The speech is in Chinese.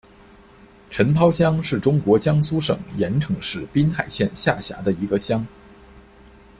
陈涛乡是中国江苏省盐城市滨海县下辖的一个乡。